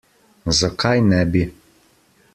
Zakaj ne bi?